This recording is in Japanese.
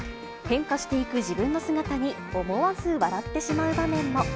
変化していく自分の姿に、思わず笑ってしまう場面も。